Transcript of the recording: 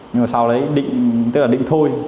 nhưng mà sau đấy định tức là định thôi